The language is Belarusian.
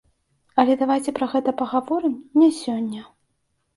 Але давайце пра гэта пагаворым не сёння.